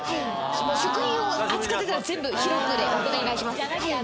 食品を扱ってたら全部広くでお願いします。